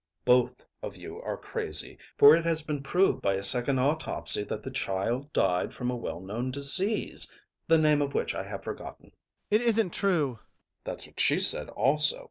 Both of you are crazy, for it has been proved by a second autopsy that the child died from a well known disease, the name of which I have forgotten. MAURICE. It isn't true! ADOLPHE. That's what she said also.